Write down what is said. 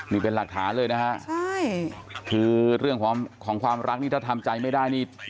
นี่เป็นหลักฐานเลยนะฮะใช่คือเรื่องของความรักนี่ถ้าทำใจไม่ได้นี่